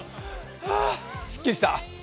ああっ、すっきりした。